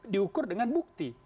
diukur dengan bukti